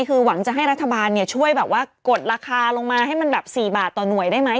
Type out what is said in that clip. คือหวังจะให้รัฐบาลช่วยแบบว่ากดราคาลงมาให้มันแบบ๔บาทต่อหน่วยได้ไหม